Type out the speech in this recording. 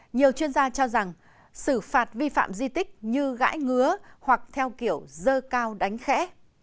nhiều chuyên gia cho rằng xử phạt vi phạm di tích như gãi ngứa hoặc theo kiểu dơ cao đánh khẽ